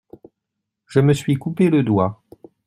Je me suis coupé le doigt.